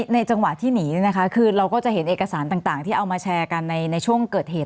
จังหวะที่หนีคือเราก็จะเห็นเอกสารต่างที่เอามาแชร์กันในช่วงเกิดเหตุ